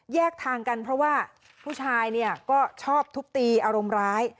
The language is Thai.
แยกทางกันเพราะว่าผู้ชายเนี่ยก็ชอบทุบตีอารมณ์ร้าย